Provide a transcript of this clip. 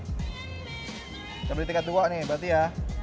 kita beli tiket dua nih berarti ya